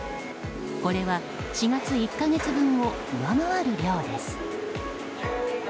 これは４月１か月分を上回る量です。